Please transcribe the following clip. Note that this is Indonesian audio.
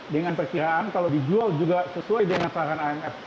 dengan perkiraan kalau dijual juga sesuai dengan saran imf